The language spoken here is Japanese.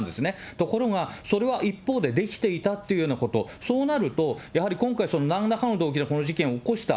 ところが、それは一方でできていたっていうこと、そうなると、やはり今回、なんらかの動機でこの事件を起こした。